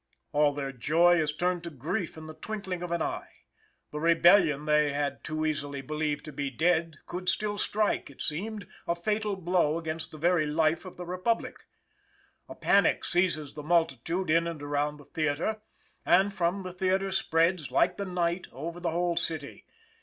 All their joy is turned to grief in the twinkling of an eye. The rebellion they had too easily believed to be dead could still strike, it seemed, a fatal blow against the very life of the Republic. A panic seizes the multitude in and around the theatre, and from the theatre spreads, "like the Night," over the whole city.